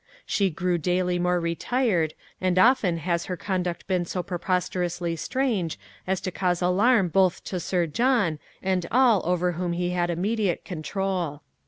She grew daily more retired, and often has her conduct been so preposterously strange as to cause alarm both to Sir John and all over whom he had immediate control.